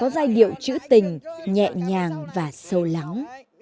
giai điệu chữ tình nhẹ nhàng và sâu lắng